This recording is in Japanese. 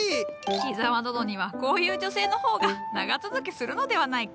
木沢殿にはこういう女性のほうが長続きするのではないか。